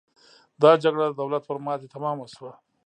دا جګړه د دولت پر ماتې تمامه شوه.